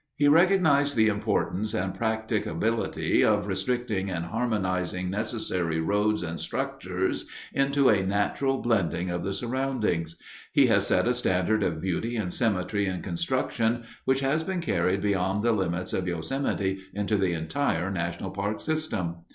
He recognized the importance and practicability of restricting and harmonizing necessary roads and structures into a natural blending of the surroundings. He has set a standard of beauty and symmetry in construction which has been carried beyond the limits of Yosemite into the entire National Park system.